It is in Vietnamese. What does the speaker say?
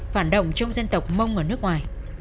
phản động trong dân tộc mông ở nước ngoài